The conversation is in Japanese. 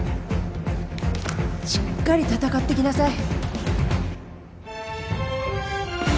しっかり戦ってきなさい。